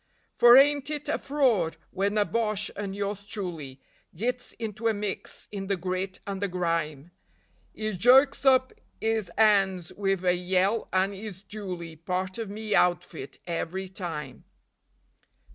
For ain't it a fraud! when a Boche and yours truly Gits into a mix in the grit and the grime, 'E jerks up 'is 'ands wiv a yell and 'e's duly Part of me outfit every time.